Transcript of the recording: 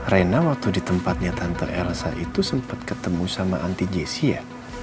rena waktu di tempatnya tante elsa itu sempat ketemu sama anti jessy ya